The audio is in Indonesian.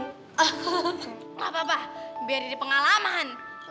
tidak apa apa biar jadi pengalaman